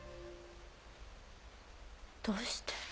どうして？